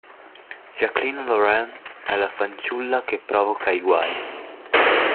Jacqueline Laurent è la fanciulla che provoca i guai.